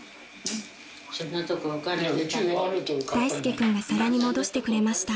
［大介君が皿に戻してくれました］